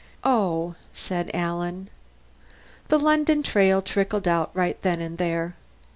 "Oh," Alan said. The London trail trickled out right then and there.